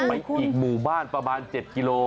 ไปอีกหมู่บ้านประมาณเจ็ดกิโล